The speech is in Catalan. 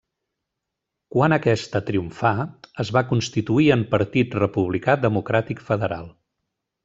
Quan aquesta triomfà, es va constituir en Partit Republicà Democràtic Federal.